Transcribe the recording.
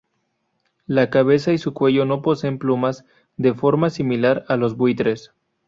La cabeza y su cuello no poseen plumas, de forma similar a los buitres.